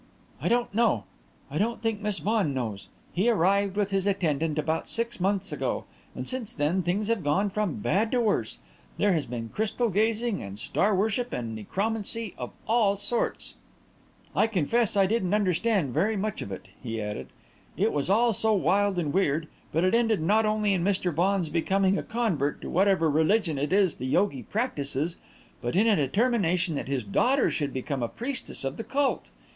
"I don't know. I don't think Miss Vaughan knows. He arrived, with his attendant, about six months ago; and since then things have gone from bad to worse. There has been crystal gazing and star worship and necromancy of all sorts. I confess I didn't understand very much of it," he added. "It was all so wild and weird; but it ended not only in Mr. Vaughan's becoming a convert to whatever religion it is the yogi practises, but in a determination that his daughter should become a priestess of the cult.